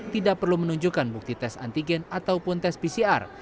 tidak perlu menunjukkan bukti tes antigen ataupun tes pcr